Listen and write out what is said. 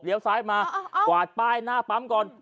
ซ้ายมากวาดป้ายหน้าปั๊มก่อน